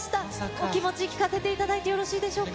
お気持ち、聞かせていただいてよろしいでしょうか。